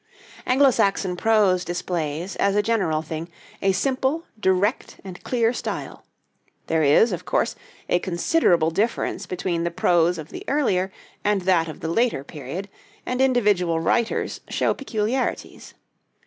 Anglo Saxon prose displays, as a general thing, a simple, direct, and clear style. There is, of course, a considerable difference between the prose of the earlier and that of the later period, and individual writers show peculiarities.